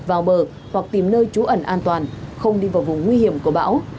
vào bờ hoặc tìm nơi trú ẩn an toàn không đi vào vùng nguy hiểm của bão